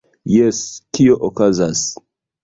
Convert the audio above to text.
Jes, kio okazas?